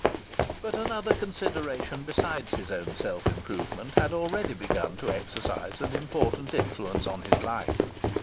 But another consideration besides his own self improvement had already begun to exercise an important influence on his life.